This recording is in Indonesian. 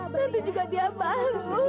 nanti juga dia bangun